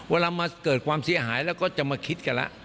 เวลามาเกิดความเสียหายแล้วก็จะมาคิดกันแล้ว